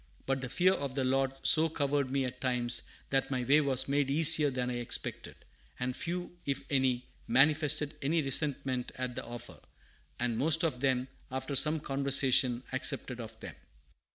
But the fear of the Lord so covered me at times that my way was made easier than I expected; and few, if any, manifested any resentment at the offer, and most of them, after some conversation, accepted of them."